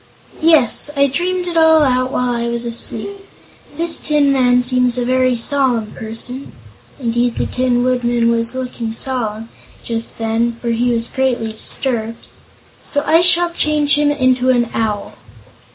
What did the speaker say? "Yes; I dreamed it all out while I was asleep. This Tin Man seems a very solemn person " indeed, the Tin Woodman was looking solemn, just then, for he was greatly disturbed "so I shall change him into an Owl."